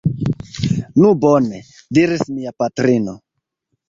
Nu bone! diris mia patrino.